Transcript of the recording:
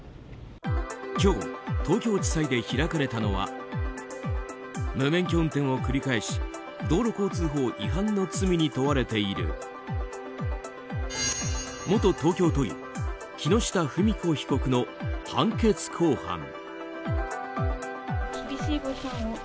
今日、東京地裁で開かれたのは無免許運転を繰り返し道路交通法違反の罪に問われている元東京都議・木下富美子被告の判決公判。